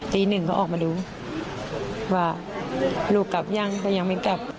ตีหนึ่งก็ออกมาดูว่าลูกกลับหรือยังแต่ยังไม่กลับ